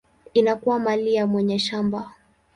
inakuwa mali ya mwenye shamba.